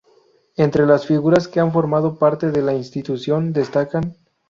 Entre las figuras que han formado parte de la institución, destacan